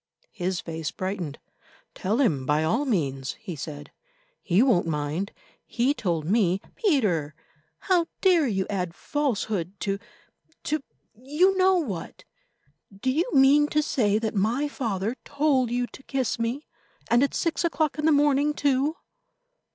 His face brightened. "Tell him by all means," he said; "he won't mind. He told me——" "Peter, how dare you add falsehood to—to—you know what. Do you mean to say that my father told you to kiss me, and at six o'clock in the morning, too?"